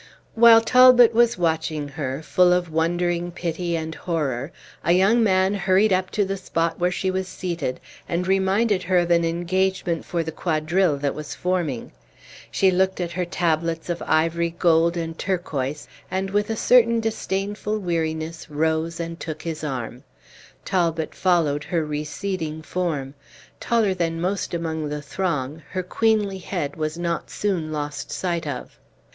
While Talbot was watching her, full of wondering pity and horror, a young man hurried up to the spot where she was seated, and reminded her of an engagement for the quadrille that was forming. She looked at her tablets of ivory, gold, and turquoise, and with a certain disdainful weariness rose and took his arm. Talbot followed her receding form. Taller than most among the throng, her queenly head was not soon lost sight of.